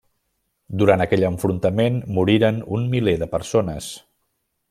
Durant aquell enfrontament moriren un miler de persones.